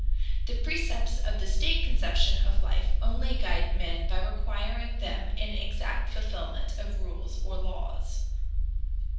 The precepts of the state conception of life only guide men by requiring of them an exact fulfillment of rules or laws.